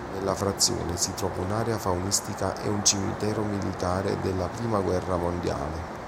Nella frazione si trova un'area faunistica e un cimitero militare della Prima guerra mondiale.